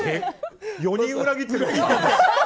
４人裏切ってる。